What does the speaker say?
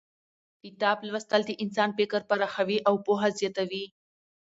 کتاب لوستل د انسان فکر پراخوي او پوهه زیاتوي